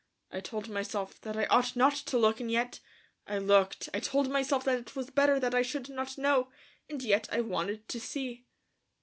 I told myself that I ought not to look, and yet ... I looked. I told myself that it was better that I should not know, and yet I wanted to see.